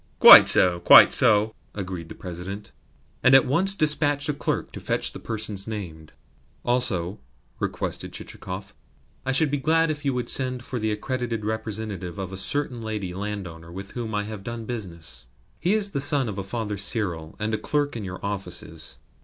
"Quite so, quite so," agreed the President, and at once dispatched a clerk to fetch the persons named. "Also," requested Chichikov, "I should be glad if you would send for the accredited representative of a certain lady landowner with whom I have done business. He is the son of a Father Cyril, and a clerk in your offices."